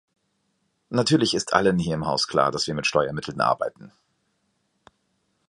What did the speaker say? Natürlich ist allen hier im Haus klar, dass wir mit Steuermitteln arbeiten.